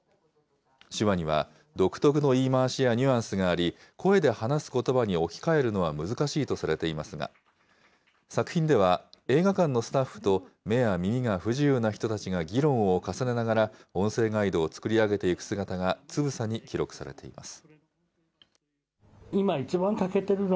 手話には独特の言い回しやニュアンスがあり、声で話すことばに置き換えるのは難しいとされていますが、作品では、映画館のスタッフと目や耳が不自由な人たちが議論を重ねながら、音声ガイドを作り上げていく姿がつぶさに記録されています。